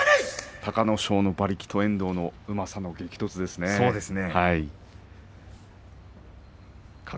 隆の勝の馬力と遠藤のうまさの激突ですね。